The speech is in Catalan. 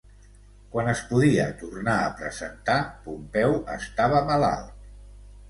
Quan es podia tornar a presentar, Pompeu estava malalt.